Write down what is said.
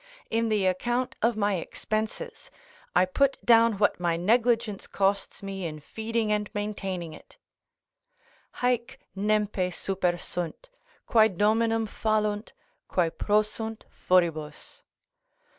In the account of my expenses, I put down what my negligence costs me in feeding and maintaining it; "Haec nempe supersunt, Quae dominum fallunt, quae prosunt furibus."